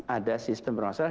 ada sistem bermasalah